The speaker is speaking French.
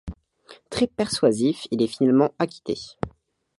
Très persuasif, il est finalement acquitté.